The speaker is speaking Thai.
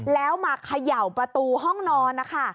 แล้วมาเขย่าประตูห้องนอนนะคะ